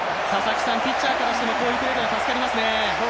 ピッチャーとしてもこういうプレーは助かりますよね。